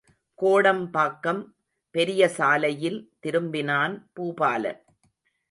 கோடம்பாக்கம் பெரியசாலையில் திரும்பினான் பூபாலன்.